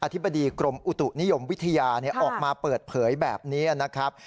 ธิบดีกรมอุตุนิยมวิทยาออกมาเปิดเผยแบบนี้นะครับ